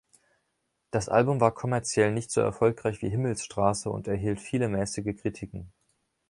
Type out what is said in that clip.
Das Album war kommerziell nicht so erfolgreich wie „Himmelsstraße“ und erhielt viele mäßige Kritiken.